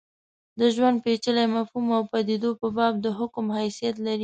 د ژوند پېچلي مفهوم او پدیدو په باب د حکم حیثیت لري.